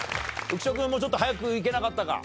浮所君もうちょっと早くいけなかったか？